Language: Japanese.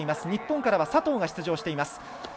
日本からは佐藤が出場しています。